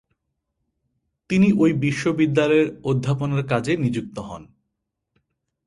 তিনি ঐ বিশ্ববিদ্যালয়ের অধ্যাপনার কাজে নিযুক্ত হন।